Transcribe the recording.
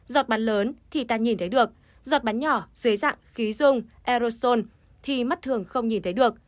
giọt bắn lớn thì ta nhìn thấy được giọt bắn nhỏ dưới dạng khí dung aerosol thì mắt thường không nhìn thấy được